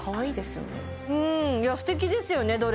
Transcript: いや素敵ですよね